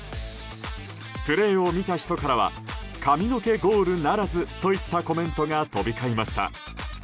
プレーを見た人からは髪の毛ゴールならずといったコメントが飛び交いました。